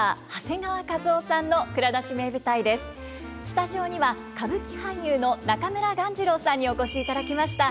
スタジオには歌舞伎俳優の中村鴈治郎さんにお越しいただきました。